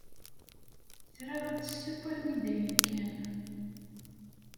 Tra ad tesseww armi dayen kan.